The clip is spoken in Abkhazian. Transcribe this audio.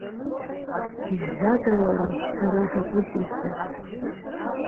Изҳәада, уара, ҳара ҳаҟәыҵит ҳәа?!